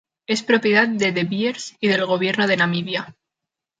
Es propiedad de De Beers y del gobierno de Namibia.